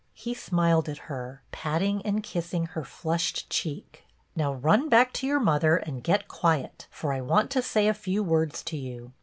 He smiled at her, pat ting and kissing her flushed cheek. " Now run back to your mother and get quiet, for I want to say a few words to you."